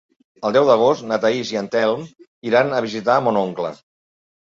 El deu d'agost na Thaís i en Telm iran a visitar mon oncle.